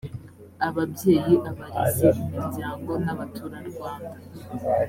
ababyeyi abarezi imiryango n’abaturarwanda